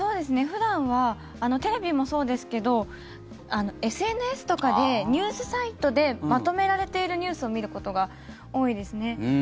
普段はテレビもそうですけどＳＮＳとかでニュースサイトでまとめられているニュースを見ることが多いですね。